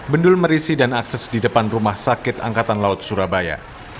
bendul merisi dan akses di depan rumah sakit angkatan laut surabaya